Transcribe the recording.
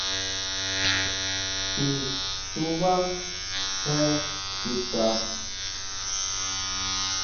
¿Ti tsubá je chuta?